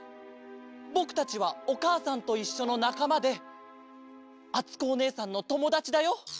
ぼくたちは「おかあさんといっしょ」のなかまであつこおねえさんのともだちだよ。